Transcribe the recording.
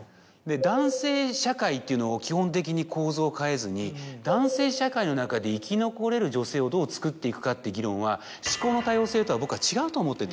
男性社会というのを基本的に構造を変えずに男性社会の中で生き残れる女性をどうつくっていくかって議論は思考の多様性とは僕は違うと思ってて。